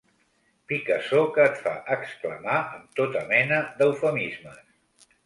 Picassor que et fa exclamar amb tota mena d'eufemismes.